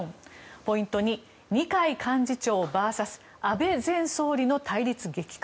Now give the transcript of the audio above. ポイント２、二階幹事長ＶＳ安倍前総理の対立激化。